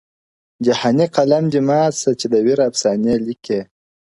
جهاني قلم دي مات سه چي د ویر افسانې لیکې-